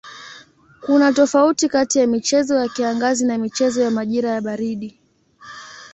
Kuna tofauti kati ya michezo ya kiangazi na michezo ya majira ya baridi.